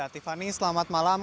tiffany selamat malam